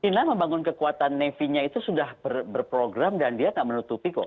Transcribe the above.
china membangun kekuatan navy nya itu sudah berprogram dan dia nggak menutupi kok